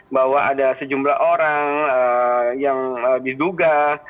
bahwa ada sejumlah orang yang diduga